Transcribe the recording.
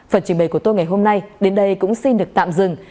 phần trình bày của tôi ngày hôm nay đến đây cũng xin được tạm dừng